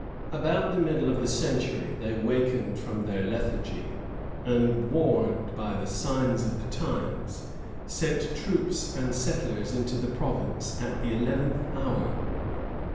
About the middle of the century they wakened from their lethargy, and warned by the signs of the times, sent troops and settlers into the province at the eleventh hour.